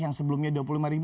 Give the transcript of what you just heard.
yang sebelumnya dua puluh lima